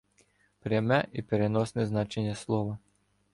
Пряме і переносне значення слова